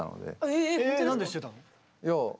えなんで知ってたの？